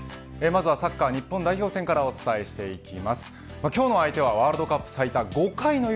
まずはサッカー日本代表戦からお伝えします。